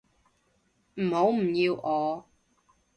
唔好唔要我